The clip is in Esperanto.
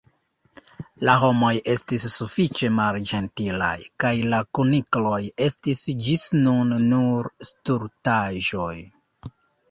La homoj estis sufiĉe malĝentilaj, kaj la kunikloj estis ĝis nun nur stultaĵoj!